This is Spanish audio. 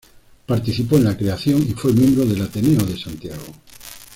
Participó en la creación, y fue miembro del Ateneo de Santiago.